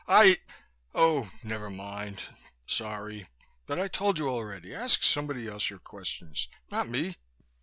"I Oh never mind. Sorry. But I told you already, ask somebody else your questions, not me."